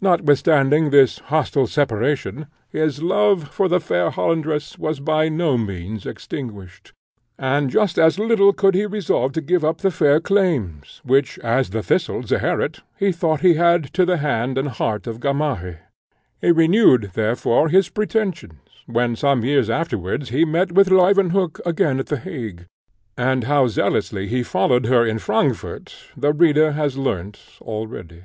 Notwithstanding this hostile separation, his love to the fair Hollandress was by no means extinguished; and just as little could he resolve to give up the fair claims, which, as the thistle, Zeherit, he thought he had to the hand and heart of Gamaheh. He renewed, therefore, his pretensions, when some years afterwards he met with Leuwenhock again at the Hague; and how zealously he followed her in Frankfort the reader has learnt already.